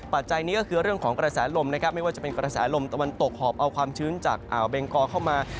จัยนี้ก็คือเรื่องของกระแสลมนะครับไม่ว่าจะเป็นกระแสลมตะวันตกหอบเอาความชื้นจากอ่าวเบงกอเข้ามา